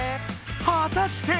はたして？